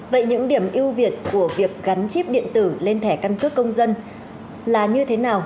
vậy những điểm ưu việt của việc gắn chip điện tử lên thẻ căn cước công dân là như thế nào